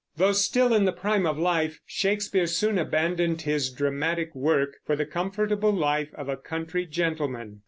Though still in the prime of life, Shakespeare soon abandoned his dramatic work for the comfortable life of a country gentleman.